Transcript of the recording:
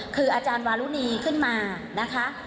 คืออาจารย์วารุณีขึ้นมานะคะ